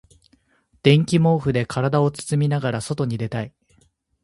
電気毛布で体を包みながら外に出たい。